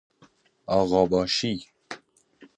آغاباشی